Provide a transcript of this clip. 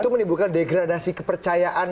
itu menyebabkan degradasi kepercayaan